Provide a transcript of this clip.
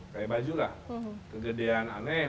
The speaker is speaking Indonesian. kayak baju kegedean aneh